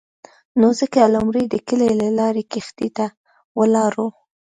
نو ځکه لومړی د کلي له لارې کښتۍ ته ولاړو.